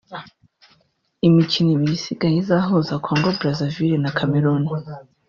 Imikino ibiri isigaye izahuza Congo Brazaville na Cameroun